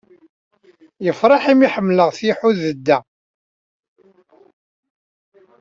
Yefreḥ imi ḥemmleɣ tiḥudedda.